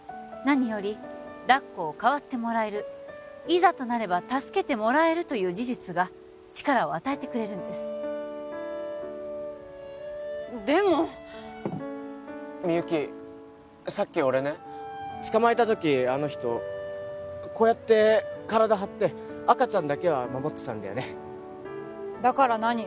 何よりだっこを代わってもらえるいざとなれば助けてもらえるという事実が力を与えてくれるんですでもみゆきさっき俺ね捕まえた時あの人こうやって体張って赤ちゃんだけは守ってたんだよねだから何？